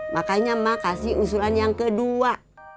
makanya mak kasih usulan yang kedua